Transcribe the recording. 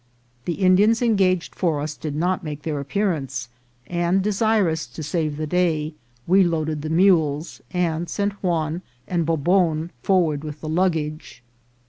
The Indians engaged for us did not make their appearance ; and, desirous to save the day, we loaded the mules, and sent Juan and Bobon forward with the luggage.